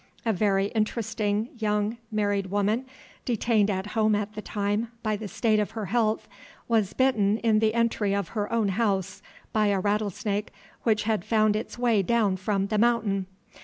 A very interesting young married woman, detained at home at the time by the state of her health, was bitten in the entry of her own house by a rattlesnake which had found its way down from The Mountain.